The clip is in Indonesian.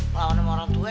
melawan sama orang tua ya